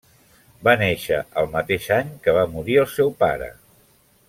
Va néixer el mateix any que va morir el seu pare.